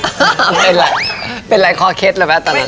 อะไรแหละเป็นไรขอเคสแล้วแม่ตอนนั้น